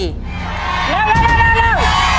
เร็ว